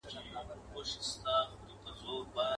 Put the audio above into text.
د رندانو له مستۍ به مځکه رېږدي.